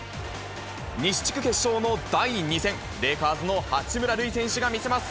西地区決勝の第２戦、レイカーズの八村塁選手が見せます。